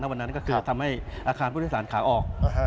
วันนั้นก็คือทำให้อาคารผู้โดยสารขาออก